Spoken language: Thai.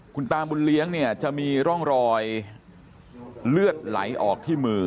คุณตาบุญเลี้ยงเนี่ยจะมีร่องรอยเลือดไหลออกที่มือ